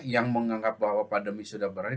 yang menganggap bahwa pandemi sudah berakhir